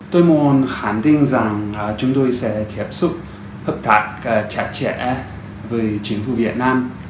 tôi muốn khẳng định rằng chúng tôi sẽ tiếp xúc hợp tác chặt chẽ với chính phủ việt nam